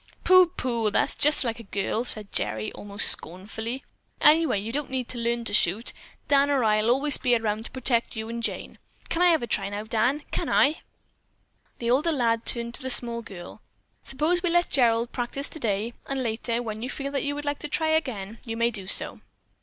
"Pooh, pooh! That's just like a girl," said Gerry almost scornfully. "Anyhow, you don't need to learn to shoot. Dan or I'll always be around to protect you'n Jane. Can I have a try now, Dan? Can I?" The older lad turned to the small girl. "Suppose we let Gerald practice today, and later, when you feel that you would like to try again, you may do so?"